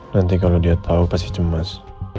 nanti kalau dia tahu pasti cemas